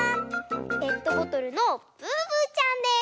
ペットボトルのブーブーちゃんです。